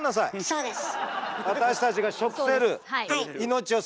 そうです！